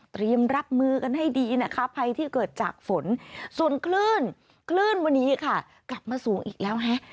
รับมือกันให้ดีนะคะภัยที่เกิดจากฝนส่วนคลื่นคลื่นวันนี้ค่ะกลับมาสูงอีกแล้วฮะ